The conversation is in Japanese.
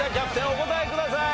お答えください。